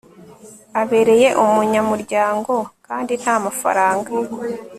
abereye umunyamuryango kandi ntamafaranga